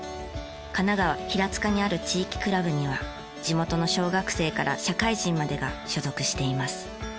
神奈川平塚にある地域クラブには地元の小学生から社会人までが所属しています。